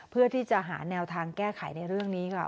เพื่อที่จะหาแนวทางแก้ไขในเรื่องนี้ค่ะ